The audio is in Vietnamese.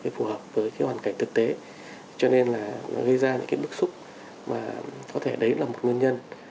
phù hợp với hoàn cảnh thực tế cho nên là gây ra những bức xúc mà có thể đấy là một nguyên nhân